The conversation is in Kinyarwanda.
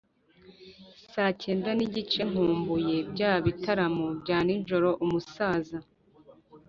saa kenda n igice Nkumbuye bya bitaramo bya nijoro umusaza